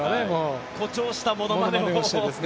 誇張したものまねを。